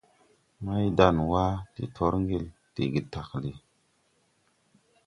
Maydanwa de tɔr ŋgel de getagle.